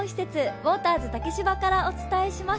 ウオーター酢竹芝からお伝えします。